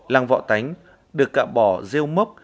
lăng vọ tánh được cạ bỏ rêu mốc